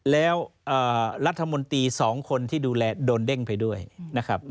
แล้วรัฐมนตรี๒คนที่ดูแลโดนเด้งไปด้วยนะครับ